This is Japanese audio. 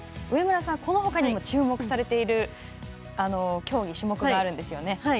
上村さん、このほかにも注目されている競技種目があるんですよね。